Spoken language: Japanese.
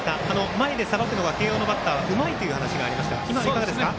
前でさばくのは慶応のバッターはうまいという話がありましたがいかがでしょうか。